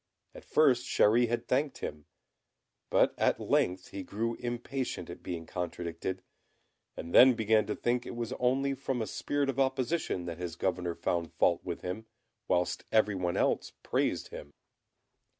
At first Chéri had thanked him, but at length he grew impatient at being contradicted, and then began to think it was only from a spirit of opposition that his governor found fault with him, whilst every one else praised him.